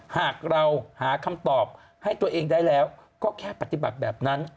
หากเราหาคำตอบให้ตัวเองได้แล้วก็แค่ปฏิบัติแบบนั้น